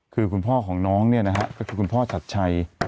คือคุณพ่อของน้องเนี่ยนะฮะก็คือคุณพ่อชัดชัย